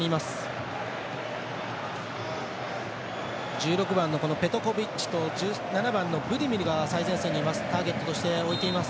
１６番、ペトコビッチと１７番のブディミルが最前線にいます。